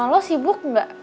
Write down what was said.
lo sibuk gak